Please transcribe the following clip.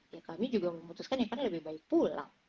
ya kami juga memutuskan ya karena lebih baik pulang